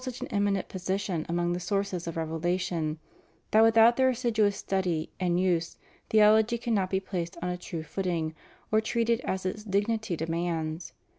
such an eminent position among the sources of revelation that without their assiduous study and use theology can not be placed on a true footing, or treated as its dignity demands.